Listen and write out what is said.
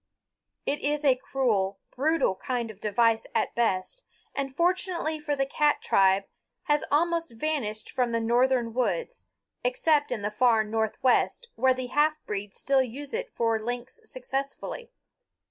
It is a cruel, brutal kind of device at best, and fortunately for the cat tribe has almost vanished from the northern woods, except in the far Northwest, where the half breeds still use it for lynx successfully.